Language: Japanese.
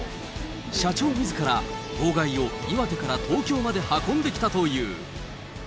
社長みずから号外を岩手から東京まで運んできたという。